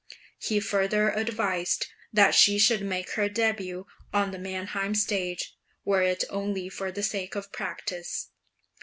He further advised that she should make her début on the Mannheim stage, were it only for the sake of practice.